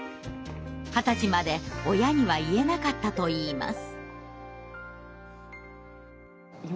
二十歳まで親には言えなかったといいます。